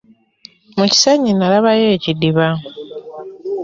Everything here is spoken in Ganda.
Mu kisenyi nalaba yo ekidiba.